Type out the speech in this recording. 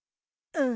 うん。